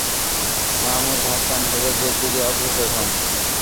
মাহমুদ হাসান হেজাজের দিকে অগ্রসর হন।